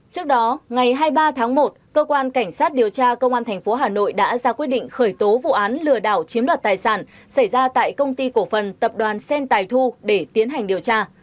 trước đó ngày hai mươi ba tháng một cơ quan cảnh sát điều tra công an tp hà nội đã ra quyết định khởi tố vụ án lừa đảo chiếm đoạt tài sản xảy ra tại công ty cổ phần tập đoàn sen tài thu để tiến hành điều tra